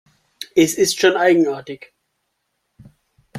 Es ist schon eigenartig.